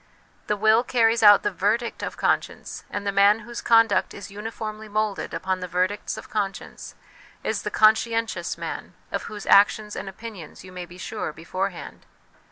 The will carries out the verdict of conscience ; and the man whose conduct is uniformly moulded upon the verdicts of conscience is the conscientious man, of whose actions and opinions you may be sure beforehand.